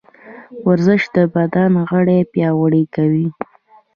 ورزش د بدن غړي پیاوړي کوي.